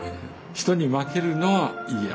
人に負けるのは嫌。